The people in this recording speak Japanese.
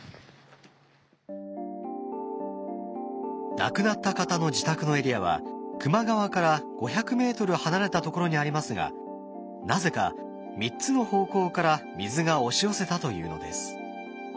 亡くなった方の自宅のエリアは球磨川から５００ｍ離れたところにありますがなぜか３つの方向から水が押し寄せたというのです。